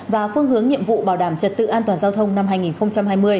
và phương hướng nhiệm vụ bảo đảm trật tự an toàn giao thông năm hai nghìn hai mươi